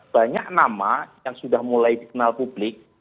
banyak nama yang sudah mulai dikenal publik